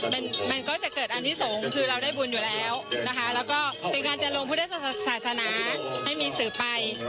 มันมันก็จะเกิดอันนี้สงฆ์คือเราได้บุญอยู่แล้วนะคะแล้วก็เป็นการจะลงพุทธศาสนาให้มีสื่อไป